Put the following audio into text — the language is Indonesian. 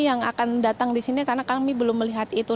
yang akan datang di sini karena kami belum melihat itu